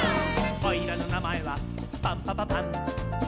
「おいらのなまえはパンパパ・パン」「」